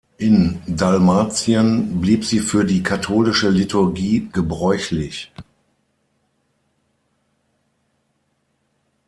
In Dalmatien blieb sie für die katholische Liturgie gebräuchlich.